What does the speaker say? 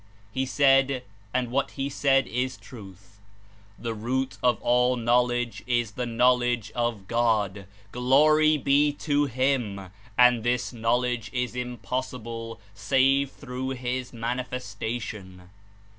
He said; and what He said is truth: ^'The root of all knowledge is the Knowledge of God; Glory be to Him! And this Knowledge is impossible save through his Manifesta tion.'